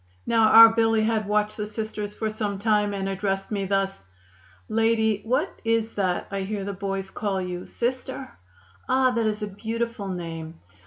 Now, our Billy had watched the Sisters for some time and addressed me thus: 'Lady, what is that I hear the boys call you? Sister! Ah, that is a beautiful name.